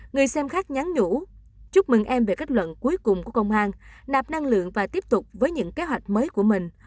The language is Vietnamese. người xem khác nhắn nhủ chúc mừng em về kết luận cuối cùng của công an nạp năng lượng và tiếp tục với những kế hoạch mới của mình